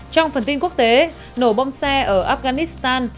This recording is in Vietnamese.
trong phần tin quốc tế nổ bông xe ở afghanistan